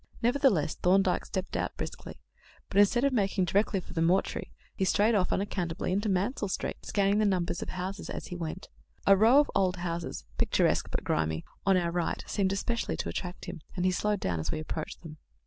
Nevertheless, Thorndyke stepped out briskly, but instead of making directly for the mortuary, he strayed off unaccountably into Mansell Street, scanning the numbers of the houses as he went. A row of old houses, picturesque but grimy, on our right seemed specially to attract him, and he slowed down as we approached them.